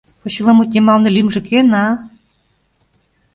Почеламут йымалне лӱмжӧ кӧн, а?